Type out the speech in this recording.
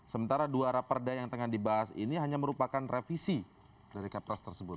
sementara dua raperda yang tengah dibahas ini hanya merupakan revisi dari kepres tersebut